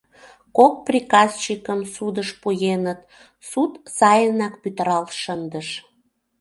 Кок приказчикым судыш пуэныт, суд сайынак пӱтырал шындыш.